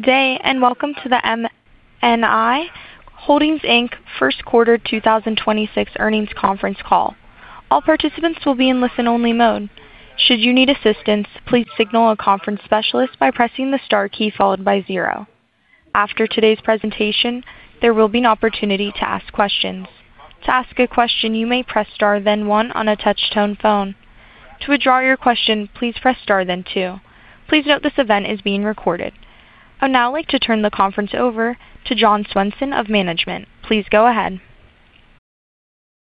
Good day, welcome to the NMI Holdings, Inc. Q1 2026 Earnings Conference Call. All participants will be in listen-only mode. Should you need assistance, please signal a conference specialist by pressing the star key followed by zero. After today's presentation, there will be an opportunity to ask questions. To ask a question, you may press star then one on a touch-tone phone. To withdraw your question, please press star then two. Please note this event is being recorded. I would now like to turn the conference over to John Swenson of management. Please go ahead.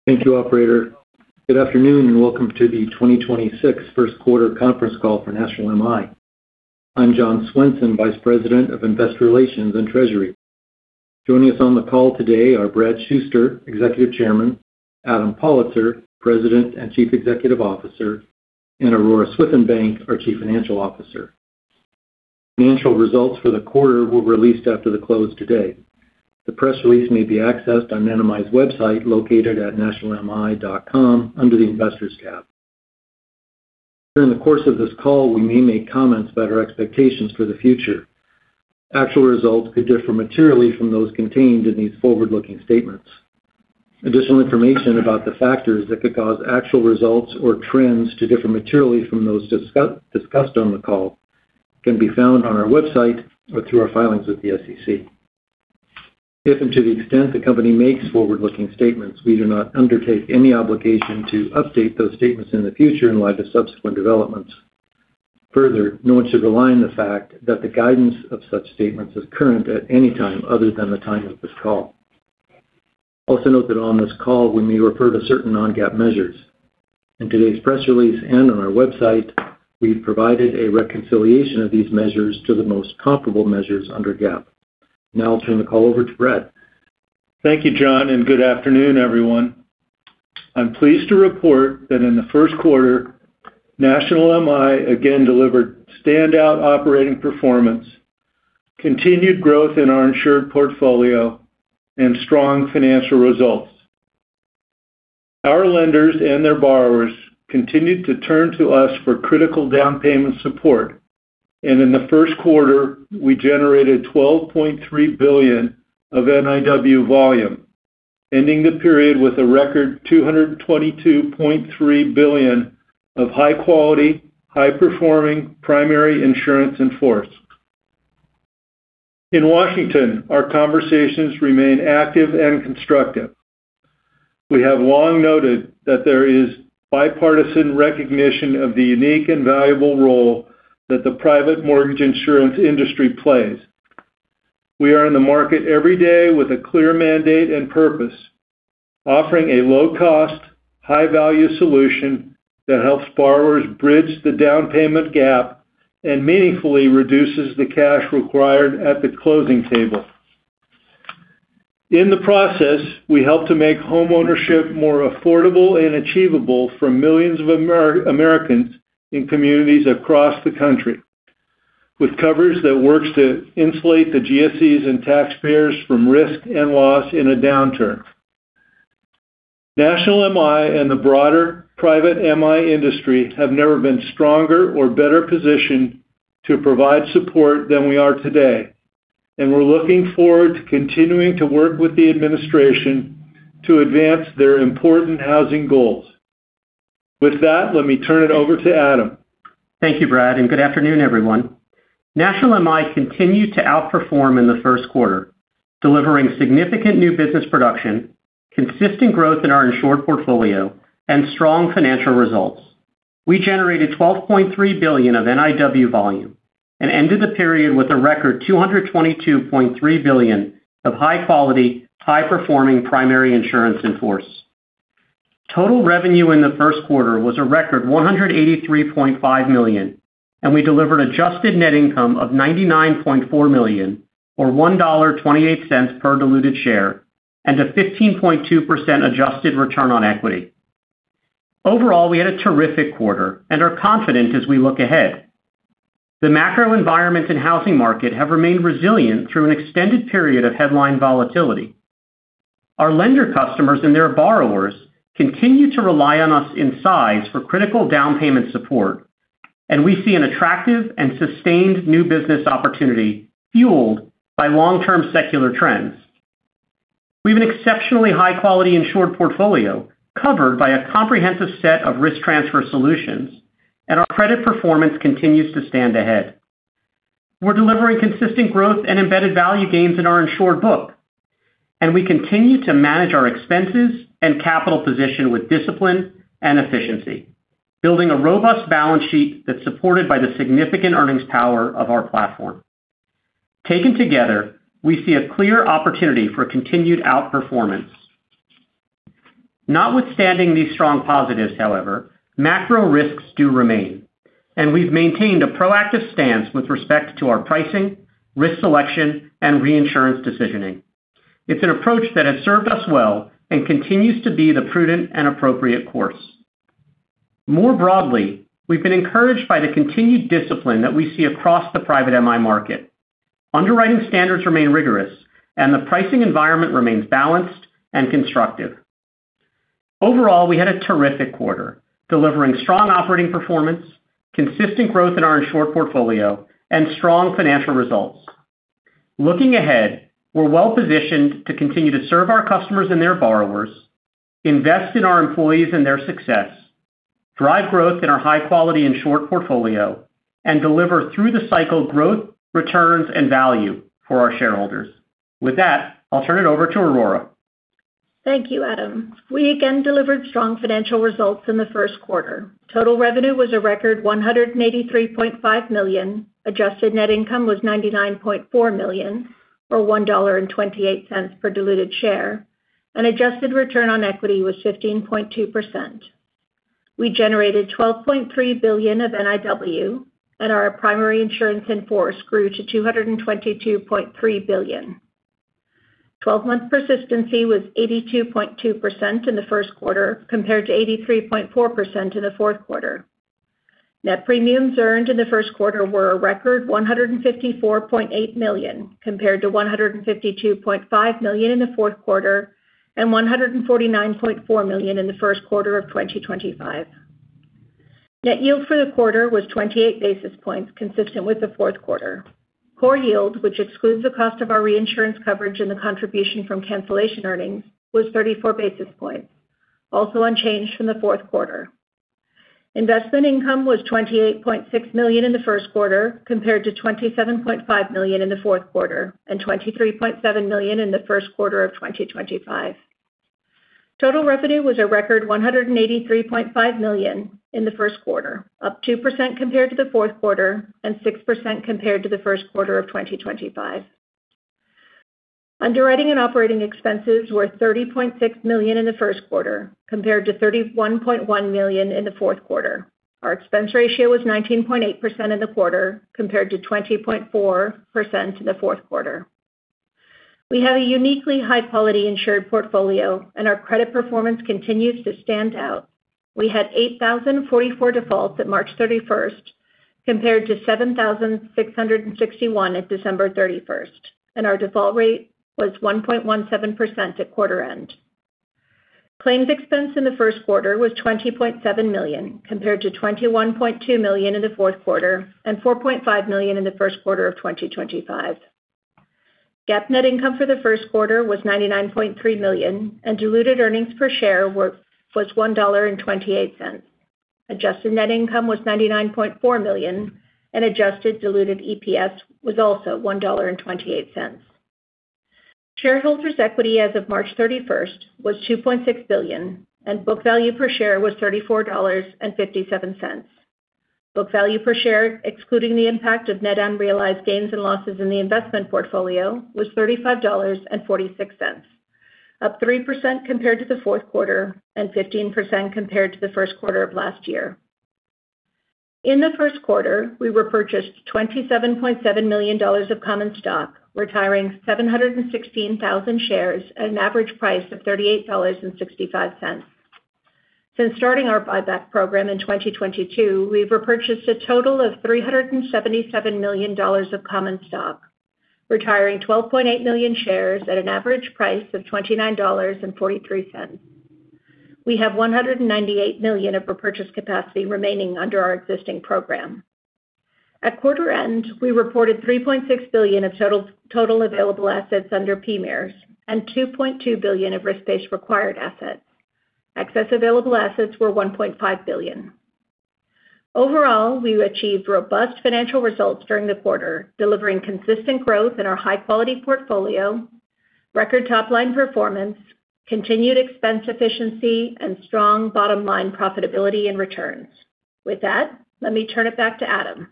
Thank you, operator. Good afternoon, and welcome to the 2026 Q1 conference call for National MI. I'm John Swenson, Vice President of Investor Relations and Treasury. Joining us on the call today are Bradley M. Shuster, Executive Chairman, Adam S. Pollitzer, President and Chief Executive Officer, and Aurora Swithenbank, our Chief Financial Officer. Financial results for the quarter were released after the close today. The press release may be accessed on NMI's website located at nationalmi.com under the Investors tab. During the course of this call, we may make comments about our expectations for the future. Actual results could differ materially from those contained in these forward-looking statements. Additional information about the factors that could cause actual results or trends to discussed on the call can be found on our website or through our filings with the SEC. If and to the extent the company makes forward-looking statements, we do not undertake any obligation to update those statements in the future in light of subsequent developments. Further, no one should rely on the fact that the guidance of such statements is current at any time other than the time of this call. Also note that on this call, we may refer to certain non-GAAP measures. In today's press release and on our website, we've provided a reconciliation of these measures to the most comparable measures under GAAP. Now I'll turn the call over to Brad. Thank you, John. Good afternoon, everyone. I'm pleased to report that in the Q1, National MI again delivered standout operating performance, continued growth in our insured portfolio, and strong financial results. Our lenders and their borrowers continued to turn to us for critical down payment support. In the Q1, we generated $12.3 billion of NIW volume, ending the period with a record $222.3 billion of high-quality, high-performing primary insurance in force. In Washington, our conversations remain active and constructive. We have long noted that there is bipartisan recognition of the unique and valuable role that the private mortgage insurance industry plays. We are in the market every day with a clear mandate and purpose, offering a low-cost, high-value solution that helps borrowers bridge the down payment gap and meaningfully reduces the cash required at the closing table. In the process, we help to make homeownership more affordable and achievable for millions of Americans in communities across the country, with coverage that works to insulate the GSEs and taxpayers from risk and loss in a downturn. National MI and the broader private MI industry have never been stronger or better positioned to provide support than we are today, and we're looking forward to continuing to work with the administration to advance their important housing goals. With that, let me turn it over to Adam. Thank you, Brad, and good afternoon, everyone. National MI continued to outperform in the Q1, delivering significant new business production, consistent growth in our insured portfolio, and strong financial results. We generated $12.3 billion of NIW volume and ended the period with a record $222.3 billion of high-quality, high-performing primary insurance in force. Total revenue in the Q1 was a record $183.5 million, and we delivered adjusted net income of $99.4 million, or $1.28 per diluted share, and a 15.2% adjusted return on equity. Overall, we had a terrific quarter and are confident as we look ahead. The macro environment and housing market have remained resilient through an extended period of headline volatility. Our lender customers and their borrowers continue to rely on us in size for critical down payment support, and we see an attractive and sustained new business opportunity fueled by long-term secular trends. We have an exceptionally high-quality insured portfolio covered by a comprehensive set of risk transfer solutions, and our credit performance continues to stand ahead. We're delivering consistent growth and embedded value gains in our insured book, and we continue to manage our expenses and capital position with discipline and efficiency, building a robust balance sheet that's supported by the significant earnings power of our platform. Taken together, we see a clear opportunity for continued outperformance. Notwithstanding these strong positives, however, macro risks do remain, and we've maintained a proactive stance with respect to our pricing, risk selection, and reinsurance decisioning. It's an approach that has served us well and continues to be the prudent and appropriate course. More broadly, we've been encouraged by the continued discipline that we see across the private MI market. Underwriting standards remain rigorous, and the pricing environment remains balanced and constructive. Overall, we had a terrific quarter, delivering strong operating performance, consistent growth in our insured portfolio, and strong financial results. Looking ahead, we're well-positioned to continue to serve our customers and their borrowers, invest in our employees and their success, drive growth in our high-quality insured portfolio, and deliver through the cycle growth, returns, and value for our shareholders. With that, I'll turn it over to Aurora. Thank you, Adam. We again delivered strong financial results in the Q1. Total revenue was a record $183.5 million. adjusted net income was $99.4 million, or $1.28 per diluted share. Adjusted return on equity was 15.2%. We generated $12.3 billion of NIW, and our primary insurance in force grew to $222.3 billion. Twelve-month persistency was 82.2% in the Q1 compared to 83.4% in the Q4. Net premiums earned in the Q1 were a record $154.8 million, compared to $152.5 million in the Q4 and $149.4 million in the Q1 2025. Net yield for the quarter was 28 basis points, consistent with the Q4. Core yield, which excludes the cost of our reinsurance coverage and the contribution from cancellation earnings, was 34 basis points, also unchanged from the Q4. Investment income was $28.6 million in the Q1, compared to $27.5 million in the Q4 and $23.7 million in the Q1 2025. Total revenue was a record $183.5 million in the Q1, up 2% compared to the Q4 and 6% compared to the Q1 of 2025. Underwriting and operating expenses were $30.6 million in the Q1 compared to $31.1 million in the Q4. Our expense ratio was 19.8% in the quarter compared to 20.4% in the Q4. We have a uniquely high-quality insured portfolio, and our credit performance continues to stand out. We had 8,044 defaults at March 31, compared to 7,661 at December 31, and our default rate was 1.17% at quarter end. Claims expense in the Q1 was $20.7 million, compared to $21.2 million in the Q4 and $4.5 million in the Q1 2025. GAAP net income for the Q1 was $99.3 million, and diluted earnings per share was $1.28. Adjusted net income was $99.4 million, and adjusted diluted EPS was also $1.28. Shareholders' equity as of March 31 was $2.6 billion, and book value per share was $34.57. Book value per share, excluding the impact of net unrealized gains and losses in the investment portfolio, was $35.46, up 3% compared to the Q4 and 15% compared to the Q1 of last year. In the Q1, we repurchased $27.7 million of common stock, retiring 716,000 shares at an average price of $38.65. Since starting our buyback program in 2022, we've repurchased a total of $377 million of common stock, retiring 12.8 million shares at an average price of $29.43. We have $198 million of repurchase capacity remaining under our existing program. At quarter end, we reported $3.6 billion of total available assets under PMIERs and $2.2 billion of risk-based required assets. Excess available assets were $1.5 billion. Overall, we achieved robust financial results during the quarter, delivering consistent growth in our high-quality portfolio, record top-line performance, continued expense efficiency, and strong bottom-line profitability and returns. With that, let me turn it back to Adam.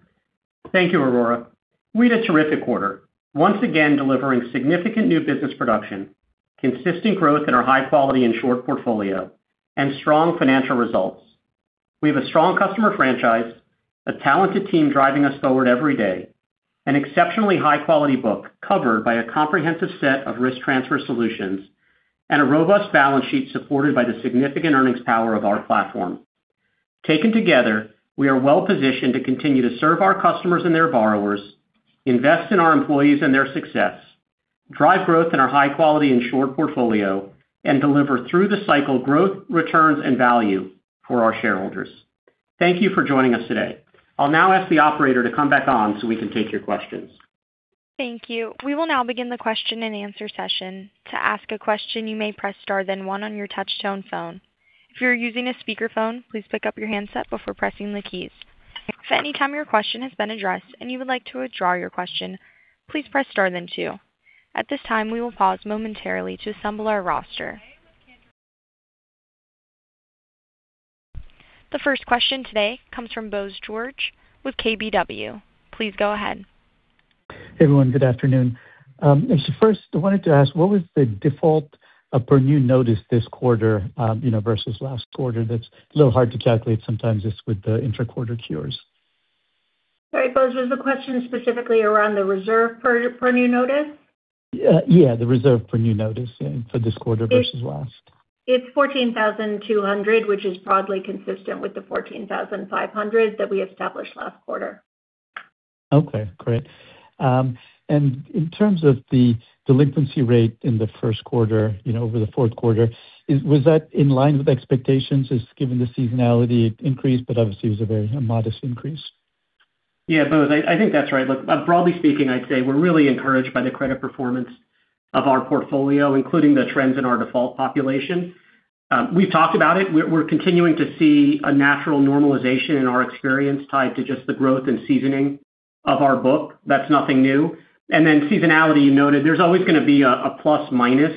Thank you, Aurora. We had a terrific quarter, once again delivering significant new business production, consistent growth in our high-quality insured portfolio, and strong financial results. We have a strong customer franchise, a talented team driving us forward every day, an exceptionally high-quality book covered by a comprehensive set of risk transfer solutions, and a robust balance sheet supported by the significant earnings power of our platform. Taken together, we are well-positioned to continue to serve our customers and their borrowers, invest in our employees and their success, drive growth in our high-quality insured portfolio, and deliver through-the-cycle growth, returns, and value for our shareholders. Thank you for joining us today. I'll now ask the operator to come back on so we can take your questions. Thank you. We will now begin the question-and-answer session. At this time, we will pause momentarily to assemble our roster. The first question today comes from Bose George with KBW. Please go ahead. Hey, everyone. Good afternoon. First, I wanted to ask, what was the default per new notice this quarter, you know, versus last quarter? That's a little hard to calculate sometimes just with the intra-quarter cures. Yeah. It's $14,200, which is broadly consistent with the $14,500 that we established last quarter. Okay, great. In terms of the delinquency rate in the Q1, you know, over the Q4, was that in line with expectations is given the seasonality increase, but obviously was a very modest increase? Yeah, Bose, I think that's right. Look, broadly speaking, I'd say we're really encouraged by the credit performance of our portfolio, including the trends in our default population. We've talked about it. We're continuing to see a natural normalization in our experience tied to just the growth and seasoning of our book. That's nothing new. Seasonality, you noted there's always gonna be a plus minus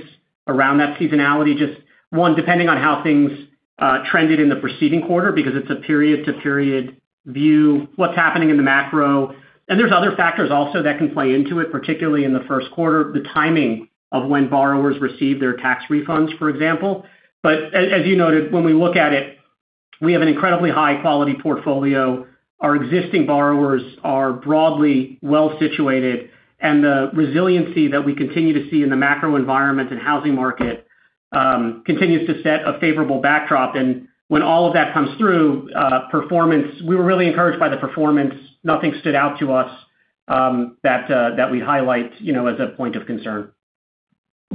around that seasonality. Just one, depending on how things trended in the preceding quarter because it's a period to period view, what's happening in the macro. There's other factors also that can play into it, particularly in the Q1, the timing of when borrowers receive their tax refunds, for example. As you noted, when we look at it, we have an incredibly high-quality portfolio. Our existing borrowers are broadly well situated, and the resiliency that we continue to see in the macro environment and housing market, continues to set a favorable backdrop. When all of that comes through, we were really encouraged by the performance. Nothing stood out to us, that we'd highlight, you know, as a point of concern.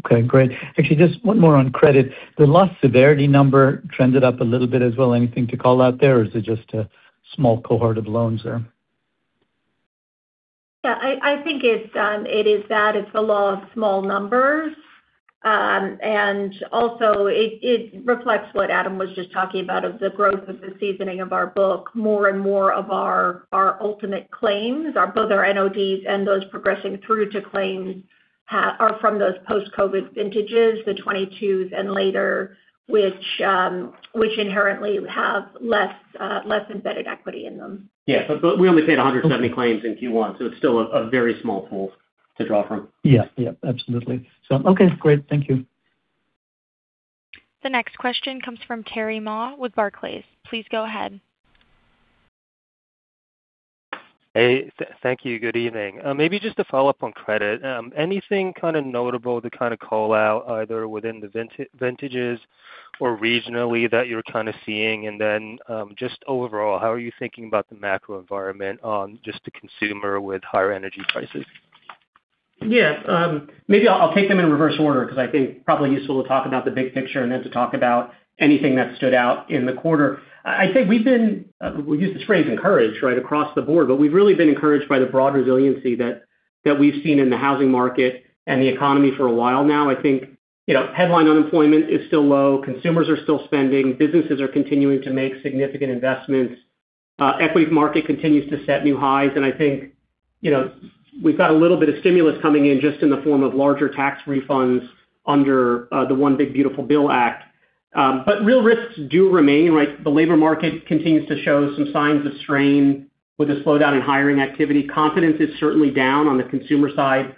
Okay, great. Actually, just one more on credit. The loss severity number trended up a little bit as well. Anything to call out there, or is it just a small cohort of loans there? Yeah, I think it's, it is that it's the law of small numbers. It reflects what Adam was just talking about of the growth of the seasoning of our book. More and more of our ultimate claims are both our NODs and those progressing through to claims are from those post-COVID vintages, the 2022s and later, which inherently have less, less embedded equity in them. Yeah. We only paid 170 claims in Q1. It's still a very small pool to draw from. Yeah. Yeah, absolutely. Okay, great. Thank you. The next question comes from Terry Ma with Barclays. Please go ahead. Thank you. Good evening. Maybe just to follow up on credit. Anything kind of notable to kind of call out either within the vintages or regionally that you're kind of seeing? Just overall, how are you thinking about the macro environment on just the consumer with higher energy prices? Yeah. Maybe I'll take them in reverse order because I think probably useful to talk about the big picture and then to talk about anything that stood out in the quarter. I think we've been, we use this phrase encouraged right across the board, but we've really been encouraged by the broad resiliency that we've seen in the housing market and the economy for a while now. I think, you know, headline unemployment is still low. Consumers are still spending. Businesses are continuing to make significant investments. Equity market continues to set new highs. I think, you know, we've got a little bit of stimulus coming in just in the form of larger tax refunds under the One Big Beautiful Bill Act. Real risks do remain, right. The labor market continues to show some signs of strain with a slowdown in hiring activity. Confidence is certainly down on the consumer side.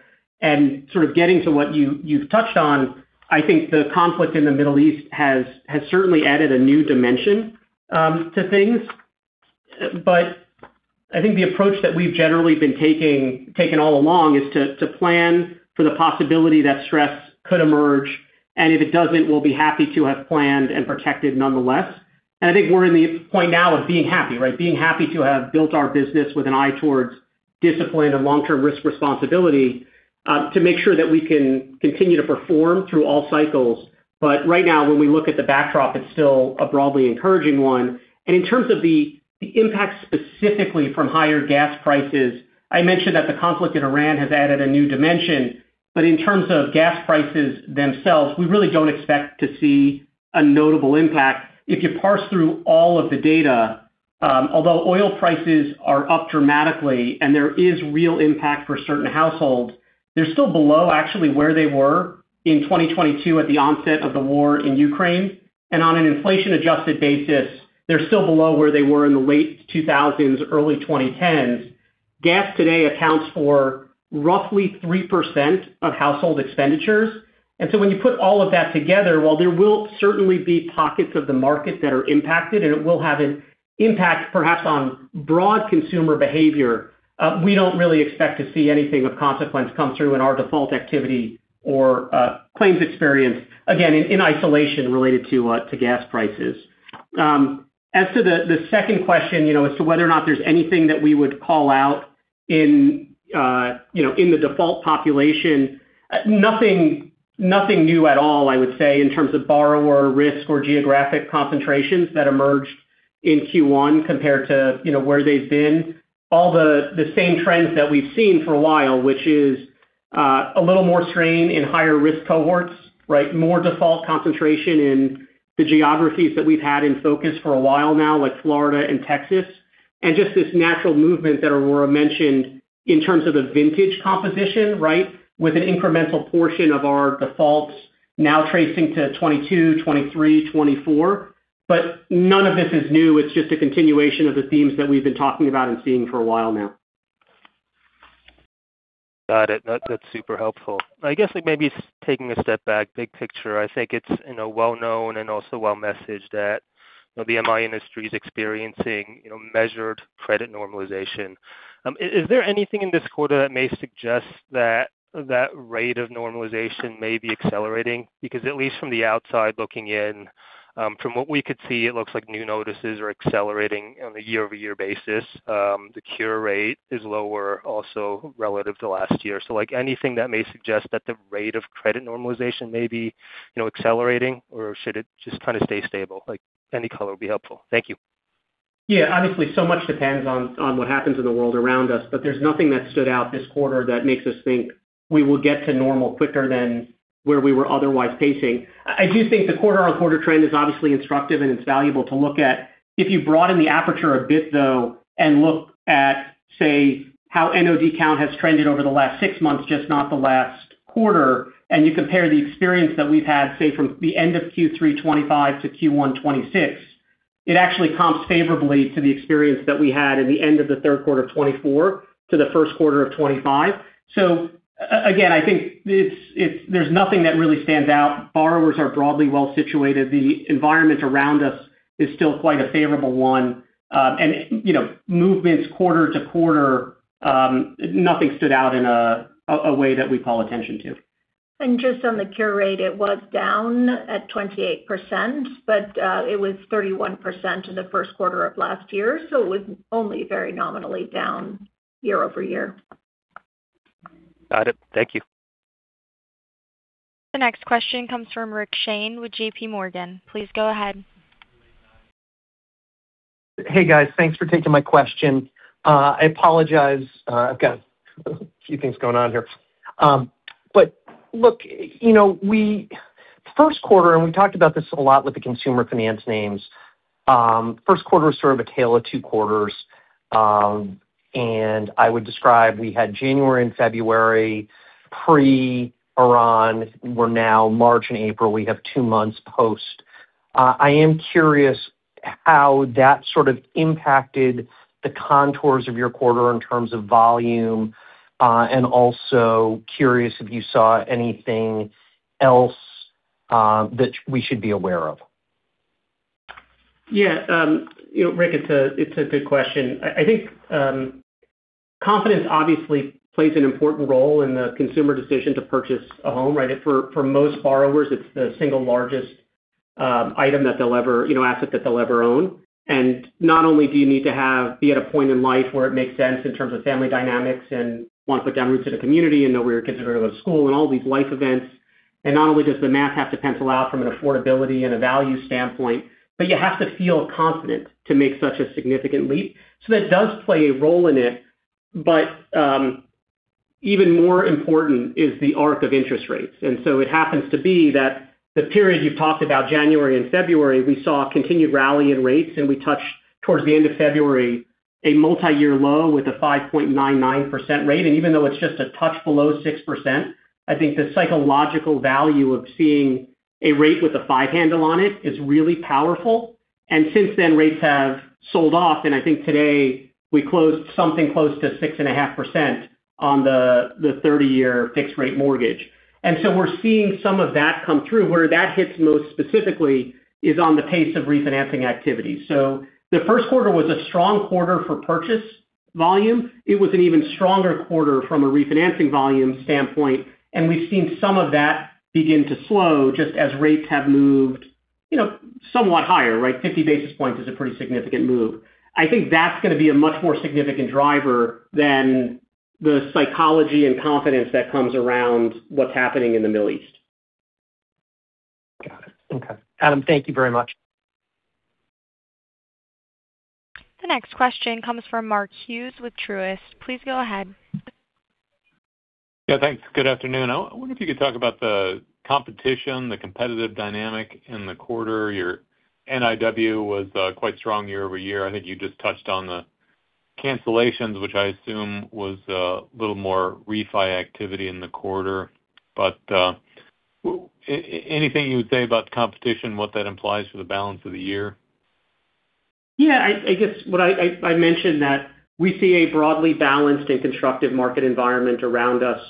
Sort of getting to what you've touched on, I think the conflict in the Middle East has certainly added a new dimension to things. I think the approach that we've generally been taking, taken all along is to plan for the possibility that stress could emerge, and if it doesn't, we'll be happy to have planned and protected nonetheless. I think we're in the point now of being happy, right? Being happy to have built our business with an eye towards discipline and long-term risk responsibility to make sure that we can continue to perform through all cycles. Right now, when we look at the backdrop, it's still a broadly encouraging one. In terms of the impact specifically from higher gas prices, I mentioned that the conflict in Iran has added a new dimension. In terms of gas prices themselves, we really don't expect to see a notable impact. If you parse through all of the data, although oil prices are up dramatically and there is real impact for certain households, they're still below actually where they were in 2022 at the onset of the war in Ukraine. On an inflation-adjusted basis, they're still below where they were in the late 2000s, early 2010s. Gas today accounts for roughly 3% of household expenditures. When you put all of that together, while there will certainly be pockets of the market that are impacted, and it will have an impact perhaps on broad consumer behavior, we don't really expect to see anything of consequence come through in our default activity or claims experience, again, in isolation related to gas prices. As to the second question, you know, as to whether or not there's anything that we would call out in, you know, in the default population, nothing new at all, I would say, in terms of borrower risk or geographic concentrations that emerged in Q1 compared to, you know, where they've been. All the same trends that we've seen for a while, which is a little more strain in higher risk cohorts, right? More default concentration in the geographies that we've had in focus for a while now, like Florida and Texas. Just this natural movement that Aurora mentioned in terms of the vintage composition, right? With an incremental portion of our defaults now tracing to 2022, 2023, 2024. None of this is new. It's just a continuation of the themes that we've been talking about and seeing for a while now. Got it. That's super helpful. I guess, like maybe taking a step back, big picture. I think it's, you know, well known and also well messaged that. The MI industry is experiencing, you know, measured credit normalization. Is there anything in this quarter that may suggest that that rate of normalization may be accelerating? At least from the outside looking in, from what we could see, it looks like new notices are accelerating on a year-over-year basis. The cure rate is lower also relative to last year. Anything that may suggest that the rate of credit normalization may be, you know, accelerating or should it just kind of stay stable? Any color would be helpful. Thank you. Yeah. Obviously, so much depends on what happens in the world around us, there's nothing that stood out this quarter that makes us think we will get to normal quicker than where we were otherwise pacing. I do think the quarter-on-quarter trend is obviously instructive, and it's valuable to look at. If you broaden the aperture a bit, though, and look at, say, how NOD count has trended over the last six months, just not the last quarter, and you compare the experience that we've had, say, from the end of Q3 2025-Q1 2026, it actually comps favorably to the experience that we had in the end of the third quarter of 2024 to the Q1 of 2025. Again, I think there's nothing that really stands out. Borrowers are broadly well situated. The environment around us is still quite a favorable one. You know, movements quarter-to-quarter, nothing stood out in a way that we call attention to. Just on the cure rate, it was down at 28%, but it was 31% in the Q1 of last year. It was only very nominally down year-over-year. Got it. Thank you. The next question comes from Richard Shane with JPMorgan. Please go ahead. Hey, guys. Thanks for taking my question. I apologize, I've got a few things going on here. You know, Q1, and we talked about this a lot with the consumer finance names, Q1 is sort of a tale of two quarters. I would describe we had January and February pre-rate hike. We're now March and April. We have two months post. I am curious how that sort of impacted the contours of your quarter in terms of volume, curious if you saw anything else that we should be aware of. Yeah. you know, Richard, it's a good question. I think confidence obviously plays an important role in the consumer decision to purchase a home, right? For most borrowers, it's the single largest item that they'll ever, you know, asset that they'll ever own. Not only do you need to be at a point in life where it makes sense in terms of family dynamics and want to put down roots in a community and know where your kids are going to go to school and all these life events. Not only does the math have to pencil out from an affordability and a value standpoint, but you have to feel confident to make such a significant leap. That does play a role in it. Even more important is the arc of interest rates. It happens to be that the period you talked about January and February, we saw a continued rally in rates, and we touched towards the end of February, a multi-year low with a 5.99% rate. Even though it's just a touch below 6%, I think the psychological value of seeing a rate with a five handle on it is really powerful. Since then, rates have sold off, and I think today we closed something close to 6.5% on the 30-year fixed rate mortgage. We're seeing some of that come through. Where that hits most specifically is on the pace of refinancing activity. The Q1 was a strong quarter for purchase volume. It was an even stronger quarter from a refinancing volume standpoint, and we've seen some of that begin to slow just as rates have moved, you know, somewhat higher, right? 50 basis points is a pretty significant move. I think that's going to be a much more significant driver than the psychology and confidence that comes around what's happening in the Middle East. Got it. Okay. Adam, thank you very much. The next question comes from Mark Hughes with Truist. Please go ahead. Yeah, thanks. Good afternoon. I wonder if you could talk about the competition, the competitive dynamic in the quarter. Your NIW was quite strong year-over-year. I think you just touched on the cancellations, which I assume was a little more refi activity in the quarter. Anything you would say about the competition, what that implies for the balance of the year? Yeah. I guess what I mentioned that we see a broadly balanced and constructive market environment around us,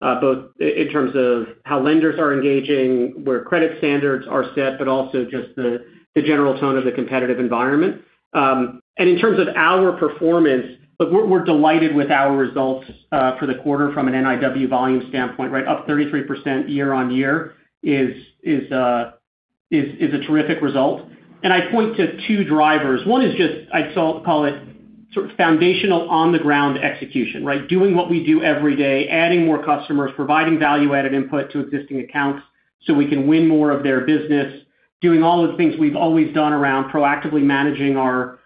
both in terms of how lenders are engaging, where credit standards are set, but also just the general tone of the competitive environment. In terms of our performance, look, we're delighted with our results for the quarter from an NIW volume standpoint, right? Up 33% year-on-year is a terrific result. I point to two drivers. One is just, I call it sort of foundational on the ground execution, right? Doing what we do every day, adding more customers, providing value-added input to existing accounts so we can win more of their business. Doing all the things we've always done around proactively managing our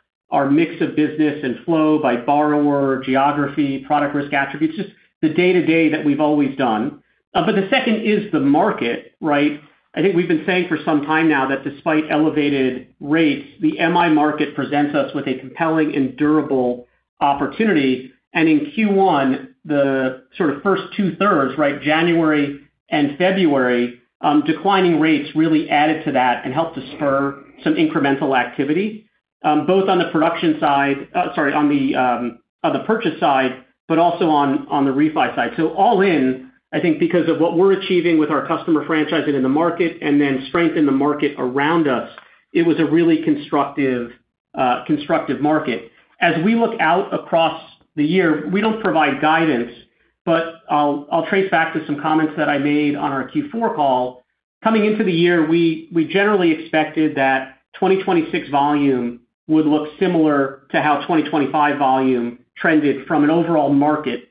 mix of business and flow by borrower, geography, product risk attributes. Just the day-to-day that we've always done. The second is the market, right? I think we've been saying for some time now that despite elevated rates, the MI market presents us with a compelling and durable opportunity. In Q1, the sort of first two-thirds, right, January and February, declining rates really added to that and helped to spur some incremental activity. Both on the production side, on the purchase side, but also on the refi side. All in, I think because of what we're achieving with our customer franchising in the market and then strength in the market around us, it was a really constructive market. As we look out across the year, we don't provide guidance, I'll trace back to some comments that I made on our Q4 call. Coming into the year, we generally expected that 2026 volume would look similar to how 2025 volume trended from an overall market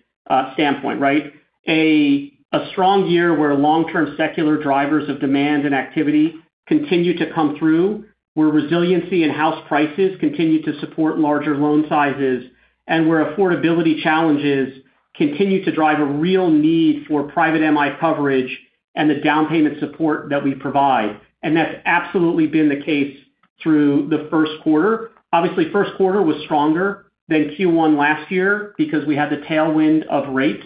standpoint, right? A strong year where long-term secular drivers of demand and activity continue to come through, where resiliency in house prices continue to support larger loan sizes, and where affordability challenges continue to drive a real need for private MI coverage and the down payment support that we provide. That's absolutely been the case through the Q1. Obviously, Q1 was stronger than Q1 last year because we had the tailwind of rates.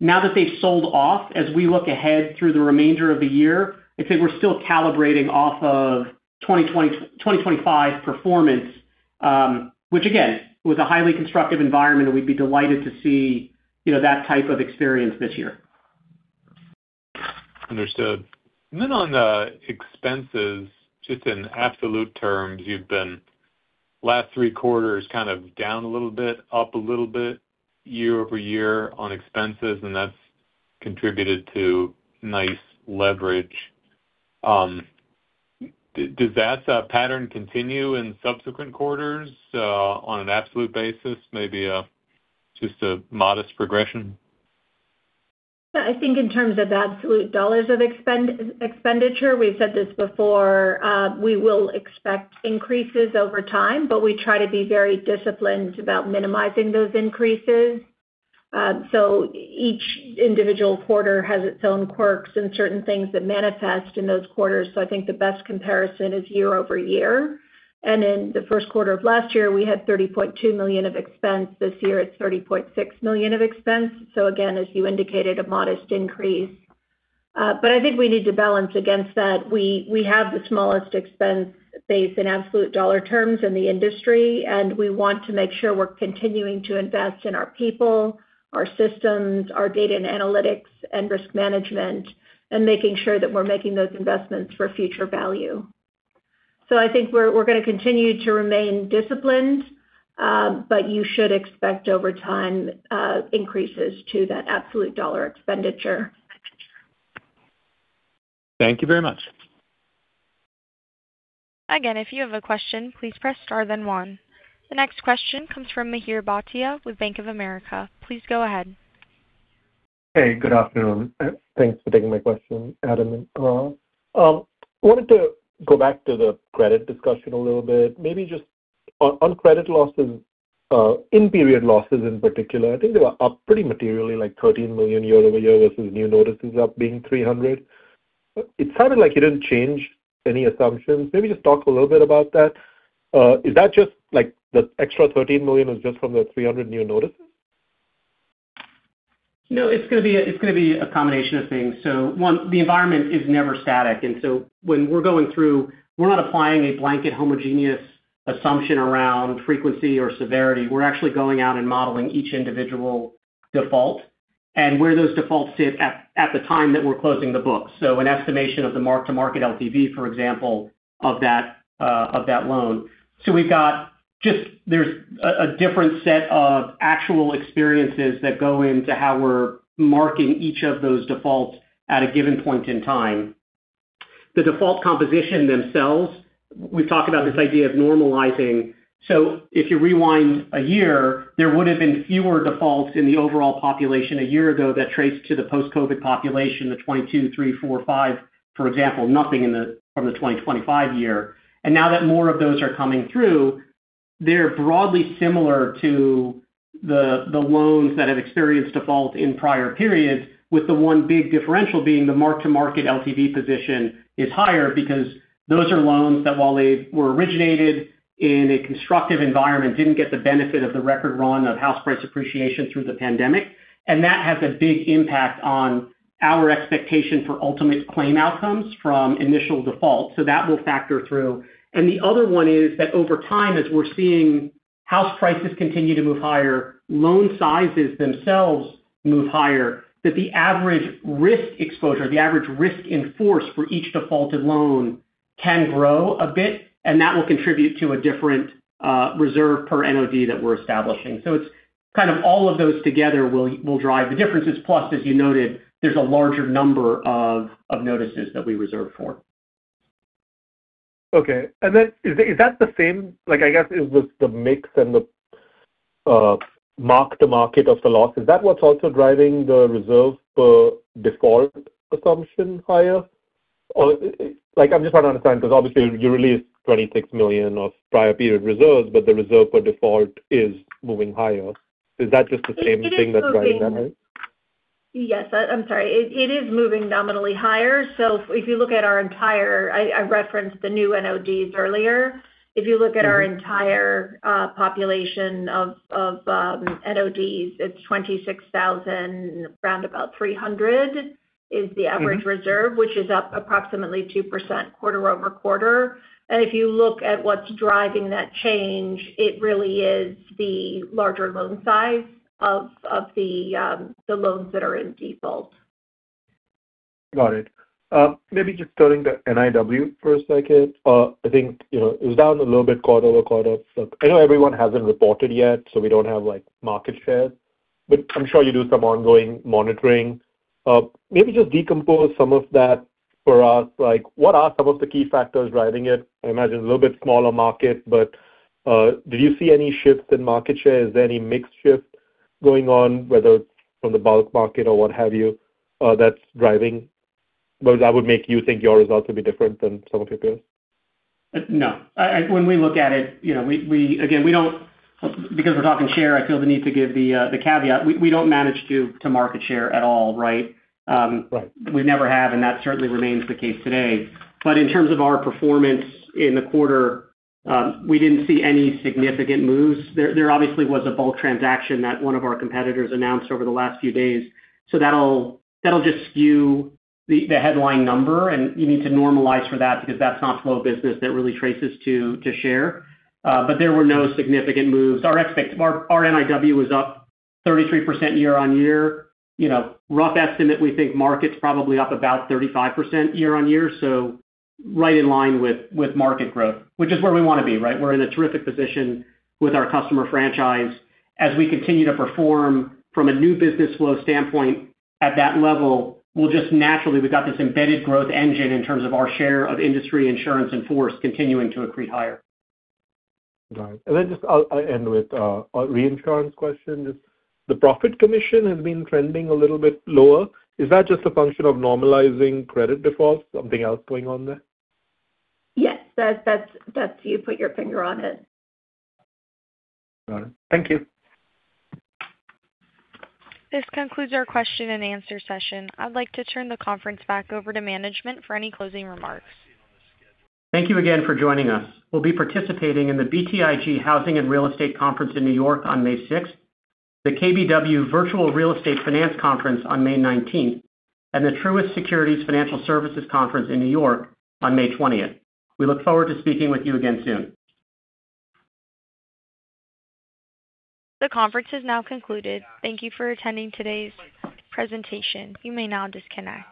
Now that they've sold off, as we look ahead through the remainder of the year, I'd say we're still calibrating off of 2025 performance, which again, was a highly constructive environment. We'd be delighted to see, you know, that type of experience this year. Understood. On the expenses, just in absolute terms, you've been last three quarters kind of down a little bit, up a little bit year-over-year on expenses, and that's contributed to nice leverage. Does that pattern continue in subsequent quarters on an absolute basis? Maybe just a modest progression? I think in terms of absolute dollars of expenditure, we've said this before, we will expect increases over time, but we try to be very disciplined about minimizing those increases. Each individual quarter has its own quirks and certain things that manifest in those quarters. I think the best comparison is year-over-year. In the Q1 of last year, we had $30.2 million of expense. This year, it's $30.6 million of expense. Again, as you indicated, a modest increase. I think we need to balance against that. We have the smallest expense base in absolute dollar terms in the industry, and we want to make sure we're continuing to invest in our people, our systems, our data and analytics, and risk management, and making sure that we're making those investments for future value. I think we're gonna continue to remain disciplined, but you should expect over time, increases to that absolute dollar expenditure. Thank you very much. Again, if you have a question, please press star then one. The next question comes from Mihir Bhatia with Bank of America. Please go ahead. Hey, good afternoon. Thanks for taking my question, Adam and Aurora Swithenbank. Wanted to go back to the credit discussion a little bit. Maybe just on credit losses, in period losses in particular. I think they were up pretty materially, like $13 million year-over-year versus new notices up being 300. It sounded like you didn't change any assumptions. Maybe just talk a little bit about that. Is that just, like, the extra $13 million was just from the 300 new notices? No, it's gonna be a combination of things. One, the environment is never static. When we're going through, we're not applying a blanket homogeneous assumption around frequency or severity. We're actually going out and modeling each individual default and where those defaults sit at the time that we're closing the books. An estimation of the mark-to-market LTV, for example, of that of that loan. We've got there's a different set of actual experiences that go into how we're marking each of those defaults at a given point in time. The default composition themselves, we talk about this idea of normalizing. If you rewind a year, there would've been fewer defaults in the overall population a year ago that traced to the post-COVID population, the 2022, 2023, 2024, 2025, for example, nothing from the 2025 year. Now that more of those are coming through, they're broadly similar to the loans that have experienced default in prior periods, with the one big differential being the mark-to-market LTV position is higher because those are loans that, while they were originated in a constructive environment, didn't get the benefit of the record run of house price appreciation through the pandemic. That has a big impact on our expectation for ultimate claim outcomes from initial default. That will factor through. The other one is that over time, as we're seeing house prices continue to move higher, loan sizes themselves move higher, that the average risk exposure, the average risk in force for each defaulted loan can grow a bit, and that will contribute to a different reserve per NOD that we're establishing. It's kind of all of those together will drive the differences. Plus, as you noted, there's a larger number of notices that we reserve for. Okay. Is that, is that the same, like, I guess with the mix and the mark-to-market of the loss, is that what's also driving the reserve per default assumption higher? Or like, I'm just trying to understand, because obviously you released $26 million of prior period reserves, but the reserve per default is moving higher. Is that just the same thing that's driving that higher? Yes, I'm sorry. It is moving nominally higher. I referenced the new NOD earlier. If you look at our entire population of NODs, it's 26,000, round about $300 is the average reserve, which is up approximately 2% quarter-over-quarter. If you look at what's driving that change, it really is the larger loan size of the loans that are in default. Got it. Maybe just turning to NIW for a second. I think, you know, it was down a little bit quarter-over-quarter. I know everyone hasn't reported yet, so we don't have, like, market share, but I'm sure you do some ongoing monitoring. Maybe just decompose some of that for us. Like, what are some of the key factors driving it? I imagine a little bit smaller market, but do you see any shifts in market share? Is there any mix shift going on, whether it's from the bulk market or what have you, that would make you think your results would be different than some of your peers? No. I, when we look at it, you know. Because we're talking share, I feel the need to give the caveat. We don't manage to market share at all, right? Right. We never have, and that certainly remains the case today. In terms of our performance in the quarter, we didn't see any significant moves. There obviously was a bulk transaction that one of our competitors announced over the last few days. That'll just skew the headline number, and you need to normalize for that because that's not flow of business that really traces to share. But there were no significant moves. Our NIW was up 33% year-over-year. You know, rough estimate, we think market's probably up about 35% year-over-year, so right in line with market growth, which is where we wanna be, right? We're in a terrific position with our customer franchise. As we continue to perform from a new business flow standpoint at that level, we'll just naturally, we've got this embedded growth engine in terms of our share of industry insurance in force continuing to accrete higher. Right. Just I'll end with a reinsurance question. Just the profit commission has been trending a little bit lower. Is that just a function of normalizing credit defaults, something else going on there? Yes. That's, you put your finger on it. Got it. Thank you. This concludes our question and answer session. I'd like to turn the conference back over to management for any closing remarks. Thank you again for joining us. We'll be participating in the BTIG Housing & Real Estate Conference in New York on May 6, the KBW Virtual Real Estate Finance & Technology Conference on May 19, and the Truist Securities Financial Services Conference in New York on May 20. We look forward to speaking with you again soon. The conference has now concluded. Thank you for attending today's presentation. You may now disconnect.